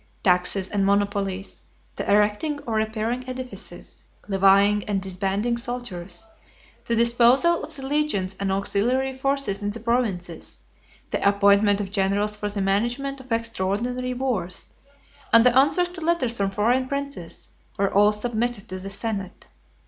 Taxes and monopolies, the erecting or repairing edifices, levying and disbanding soldiers, the disposal of the legions and auxiliary forces in the provinces, the appointment of generals for the management of extraordinary wars, and the answers to letters from foreign princes, were all submitted to the senate.